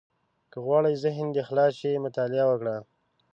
• که غواړې ذهن دې خلاص شي، مطالعه وکړه.